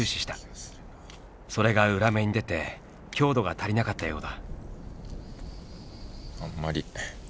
それが裏目に出て強度が足りなかったようだ。